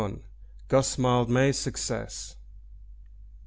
GUSS MILDMAY'S SUCCESS.